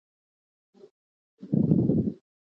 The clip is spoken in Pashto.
دا علم د افغانستان لپاره ډېر اهمیت لري.